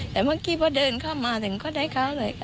แต่เมื่อกี้พอเดินเข้ามาถึงก็ได้เข้าเลยค่ะ